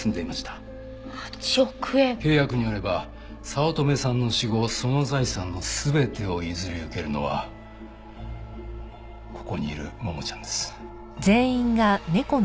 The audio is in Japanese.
契約によれば早乙女さんの死後その財産の全てを譲り受けるのはここにいるももちゃんです。